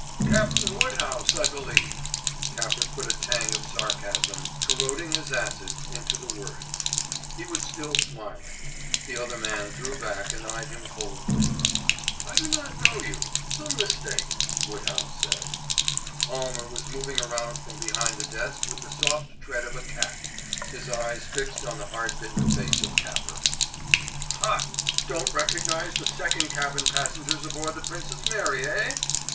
"Captain Woodhouse, I believe." Capper put a tang of sarcasm, corroding as acid, into the words. He was still smiling. The other man drew back and eyed him coldly. "I do not know you. Some mistake," Woodhouse said. Almer was moving around from behind the desk with the soft tread of a cat, his eyes fixed on the hard bitten face of Capper. "Hah! Don't recognize the second cabin passengers aboard the Princess Mary, eh?"